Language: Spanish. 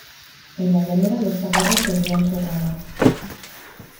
en la llanura los chaparros tendían sus ramas